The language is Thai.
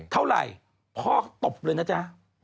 พ่อเขาตบเลยนะจ๊ะ